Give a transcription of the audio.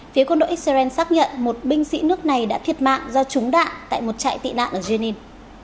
phía quân đội israel xác nhận một binh sĩ nước này đã thiệt mạng do trúng đạn tại một trại tị nạn ở jennin